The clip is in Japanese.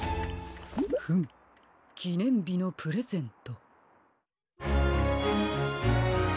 フムきねんびのプレゼント。